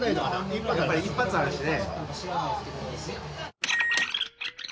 １発あるしね。